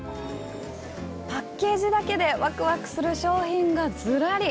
パッケージだけでワクワクする商品がずらり。